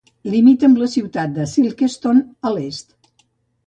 Limita amb la ciutat de Sikeston a l'est.